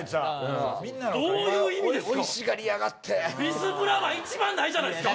どういう意味ですか？